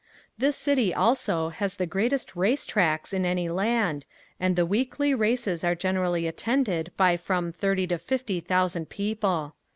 This city also has the greatest race tracks in any land and the weekly races are generally attended by from thirty to fifty thousand people.